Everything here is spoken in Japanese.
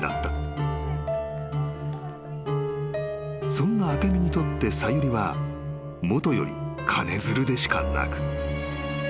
［そんな明美にとってさゆりはもとより金づるでしかなく］